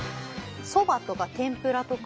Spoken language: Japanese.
そばとか天ぷらとか。